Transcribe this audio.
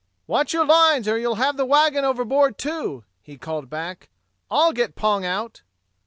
"Watch your lines or you'll have the wagon overboard, too," he called back. "I'll get Pong out."